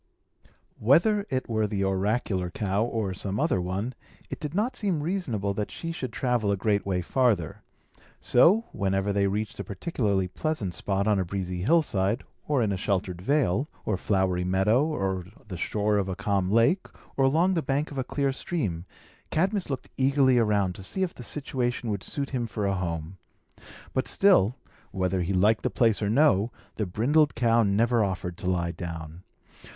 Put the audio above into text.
Whether it were the oracular cow or some other one, it did not seem reasonable that she should travel a great way farther. So, whenever they reached a particularly pleasant spot on a breezy hillside, or in a sheltered vale, or flowery meadow, on the shore of a calm lake, or along the bank of a clear stream, Cadmus looked eagerly around to see if the situation would suit him for a home. But still, whether he liked the place or no, the brindled cow never offered to lie down.